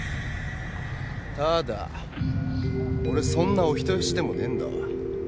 ただ俺そんなお人よしでもねえんだわ。